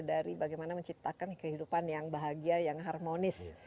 dari bagaimana menciptakan kehidupan yang bahagia yang harmonis